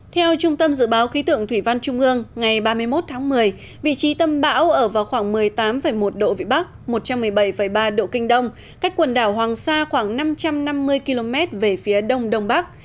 theo trung tâm dự báo khí tượng thủy văn trung ương ngày ba mươi một tháng một mươi vị trí tâm bão ở vào khoảng một mươi tám một độ vĩ bắc một trăm một mươi bảy ba độ kinh đông cách quần đảo hoàng sa khoảng năm trăm năm mươi km về phía đông đông bắc